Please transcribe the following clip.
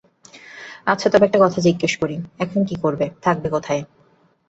আচ্ছা, তবে একটা কথা জিজ্ঞাসা করি, এখন কি করবে, থাকবে কোথায়।